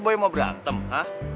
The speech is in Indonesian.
boy mau berantem hah